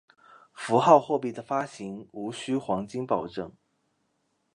符号货币的发行无须黄金保证。